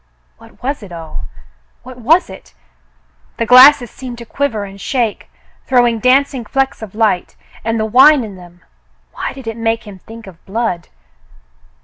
What was it all — what was it ^ The glasses seemed to quiver and shake, throwing dancing flecks of light; and the vane in them — why did it make him think of blood